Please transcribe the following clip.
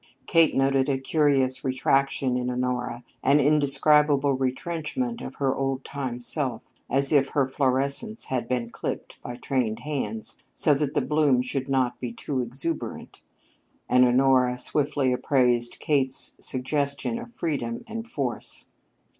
Kate noted a curious retraction in Honora, an indescribable retrenchment of her old time self, as if her florescence had been clipped by trained hands, so that the bloom should not be too exuberant; and Honora swiftly appraised Kate's suggestion of freedom and force.